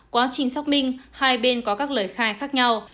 quá trình xác minh hai bên có các lời khai khác nhau